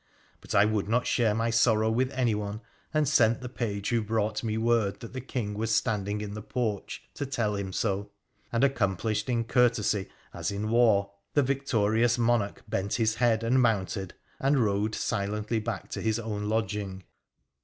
But I would not share my sorrow with anyone, and sent the page who brought me word that the King was standing in the porch to tell him so ; and, accomplished in courtesy as in war, the victorious monarch bent his head, and mounted, and rode silently back to his own lodging.